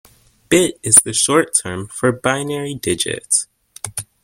Bit is the short term for binary digit.